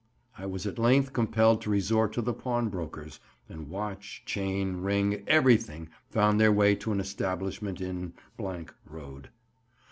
I was at length compelled to resort to the pawnbroker's, and watch, chain, ring, everything, found their way to an establishment in — Road.